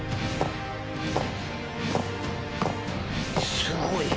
すごい。